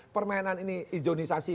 permainan ini izonisasi